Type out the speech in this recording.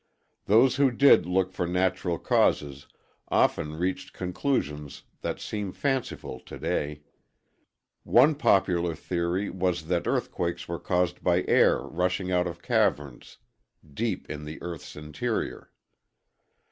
Those who did look for natural causes often reached conclusions that seem fanciful today; one popular theory was that earthquakes were caused by air rushing out of caverns deep in the EarthŌĆÖs interior.